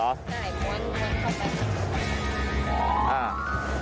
โอเคม้วนม้วนเข้าไป